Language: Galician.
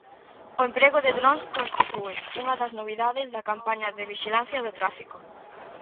O emprego de drons constitúe unha das novidades da campaña de vixilancia do tráfico.